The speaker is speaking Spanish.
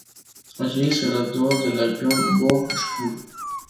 Allí, se graduó de la John Burroughs School.